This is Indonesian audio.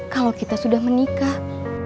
kalau kita sudah menikah